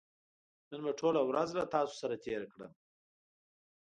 نن به ټوله ورځ له تاسو سره تېره کړم